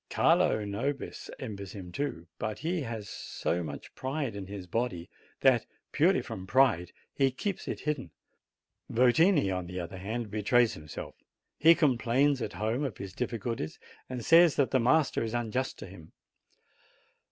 Carlo Xobis envies him too; but he has so much pride in his h that, purely from pride, he keeps it hidden. Yotini, on the other hand, betrays himself: he com plains at home of his difficult! ':'. that the master is unjust to him.